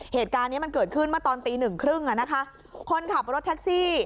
เหตุการณ์เนี้ยมันเกิดขึ้นเมื่อตอนตีหนึ่งครึ่งอ่ะนะคะคนขับรถแท็กซี่